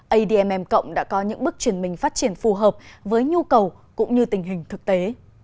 admm cộng đã có những bước chuyển mình phát triển phù hợp với nhu cầu cũng như tình hình thực tế